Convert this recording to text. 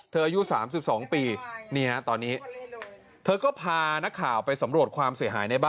อายุ๓๒ปีนี่ฮะตอนนี้เธอก็พานักข่าวไปสำรวจความเสียหายในบ้าน